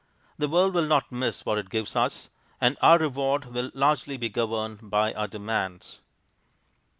The world will not miss what it gives us, and our reward will largely be governed by our demands.